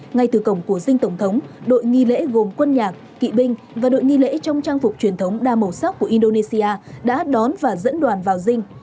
ngay từ cổng của dinh tổng thống đội nghi lễ gồm quân nhạc kỵ binh và đội nghi lễ trong trang phục truyền thống đa màu sắc của indonesia đã đón và dẫn đoàn vào dinh